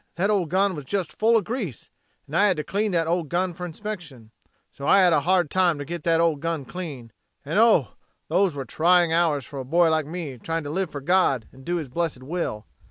that old gun was just full of grease, and I had to clean that old gun for inspection. So I had a hard time to get that old gun clean, and oh, those were trying hours for a boy like me trying to live for God and do his blessed will.